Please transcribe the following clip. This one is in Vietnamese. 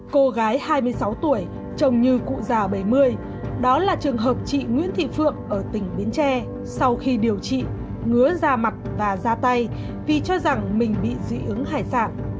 cô gái hai mươi sáu tuổi chồng như cụ già bảy mươi đó là trường hợp chị nguyễn thị phượng ở tỉnh bến tre sau khi điều trị ngứa da mặt và ra tay vì cho rằng mình bị dị ứng hải sản